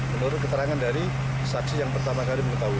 menurut keterangan dari saksi yang pertama kali mengetahui